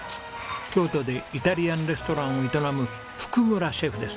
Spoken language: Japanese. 京都でイタリアンレストランを営む福村シェフです。